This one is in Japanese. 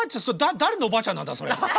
誰のおばあちゃんなんだそれって。